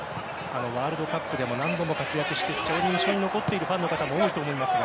ワールドカップでも何度も活躍して非常に印象に残っているファンの方も多いと思いますが。